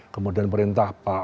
kemudian perintah pak